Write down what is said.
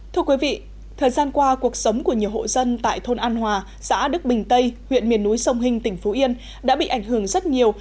thưa quý vị thời gian qua cuộc sống của nhiều hộ dân tại thôn an hòa xã đức bình tây huyện miền núi sông hinh tỉnh phú yên đã bị ảnh hưởng rất nhiều